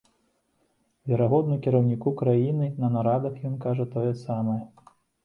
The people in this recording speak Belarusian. Верагодна, кіраўніку краіны на нарадах ён кажа тое самае.